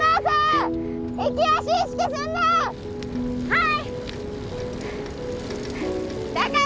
はい！